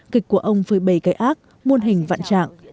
kịch của ông với bầy cây ác muôn hình vạn trạng